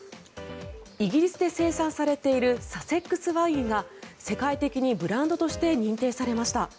イギリスで生産されているサセックス・ワインが世界的にブランドとして認定されました。